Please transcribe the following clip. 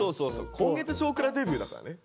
今月「少クラ」デビューだからね。